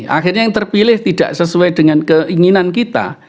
akhirnya yang terpilih tidak sesuai dengan keinginan kita